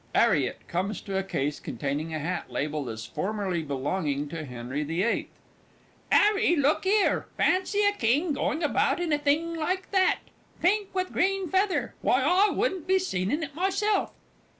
'ARRIET (comes to a case containing a hat labelled as formerly belonging to Henry the Eighth). 'Arry, look 'ere; fancy a king going about in a thing like that pink with a green feather! Why, I wouldn't be seen in it myself!